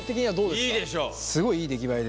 すごいいい出来栄えですね。